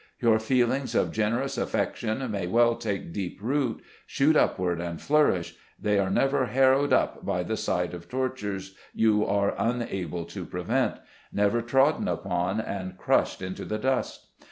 Your feelings of generous affection may well take deep root, shoot upward and flourish ; they are never harrowed up by the sight of tortures you are unable to prevent, never trodden upon and crushed into the dust.